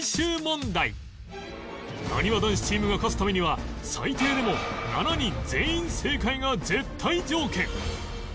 なにわ男子チームが勝つためには最低でも７人全員正解が絶対条件！